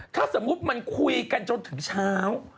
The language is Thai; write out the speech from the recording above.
ถ้าสมมุติมันคุยกันจนถึงเช้า